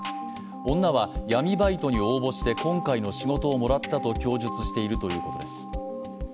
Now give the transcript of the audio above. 女は闇バイトに応募して今回の仕事をもらったと供述しているということです。